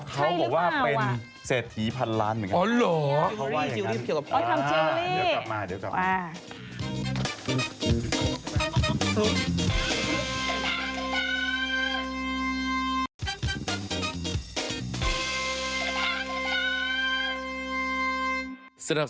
เขาบอกว่าเป็นเศรษฐีพันล้านเหมือนกัน